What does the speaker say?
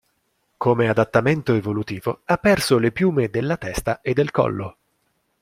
Come adattamento evolutivo ha perso le piume della testa e del collo.